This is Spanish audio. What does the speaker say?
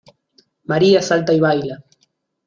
María salta y baila.